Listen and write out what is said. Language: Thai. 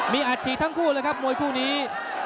มีอัดฉีกทั้งคู่เลยครับมวยคู่นี้